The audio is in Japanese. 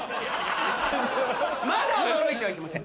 まだ驚いてはいけません。